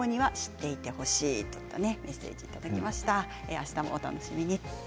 あしたもお楽しみに。